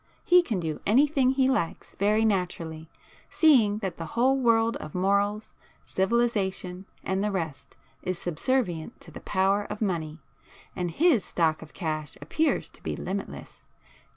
He can do anything he likes; very naturally, seeing that the whole world of morals, civilization and the rest is subservient to the power of money,—and his stock of cash appears to be limitless.